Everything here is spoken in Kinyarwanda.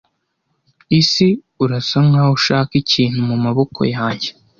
Isi! urasa nkaho ushaka ikintu mumaboko yanjye,